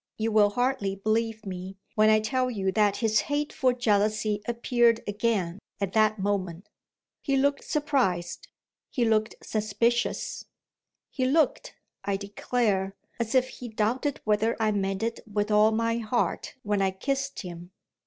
You will hardly believe me, when I tell you that his hateful jealousy appeared again, at that moment. He looked surprised, he looked suspicious he looked, I declare, as if he doubted whether I meant it with all my heart when I kissed him!